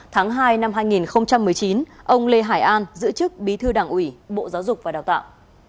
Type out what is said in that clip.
tháng hai năm hai nghìn một mươi chín ông lê hải an giữ chức bí thư đảng ủy bộ giáo dục và đào tạo